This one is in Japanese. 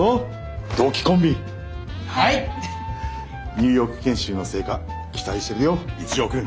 ニューヨーク研修の成果期待してるよ一条くん。